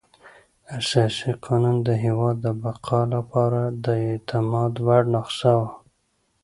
اساسي قانون د هېواد د بقا لپاره د اعتماد وړ نسخه وه.